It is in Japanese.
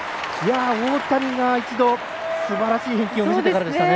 大谷が一度、すばらしい動きを見せてからでしたね。